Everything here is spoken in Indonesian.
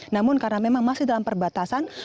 namun karena memang masih dalam perbatasan